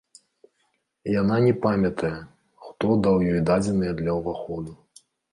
Яна не памятае, хто даў ёй дадзеныя для ўваходу.